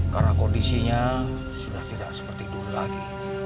karena kondisinya sudah tidak seperti dulu lagi